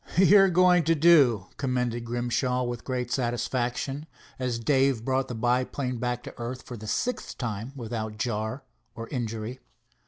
"You're going to do," commended Grimshaw with great satisfaction, as Dave brought the biplane back to earth for the sixth time without jar or injury.